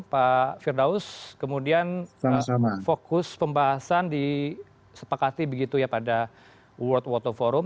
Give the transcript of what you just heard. pak firdaus kemudian fokus pembahasan disepakati begitu ya pada world water forum